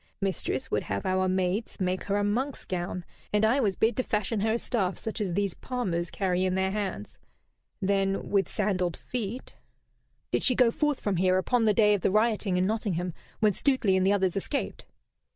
Mistress would have our maids make her a monk's gown, and I was bid to fashion her a staff such as these palmers carry in their hands. Then with sandalled feet " "Did she go forth from here upon the day of the rioting in Nottingham, when Stuteley and the others escaped?"